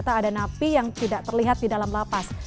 tidak terlihat di dalam lapas